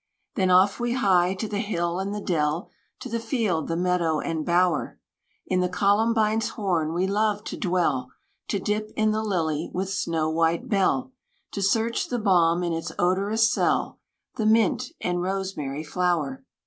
Then off we hie to the hill and the dell To the field, the meadow, and bower: In the columbine's horn we love to dwell, To dip in the lily with snow white bell, To search the balm in its odorous cell, The mint, and rosemary flower.